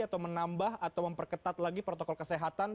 atau menambah atau memperketat lagi protokol kesehatan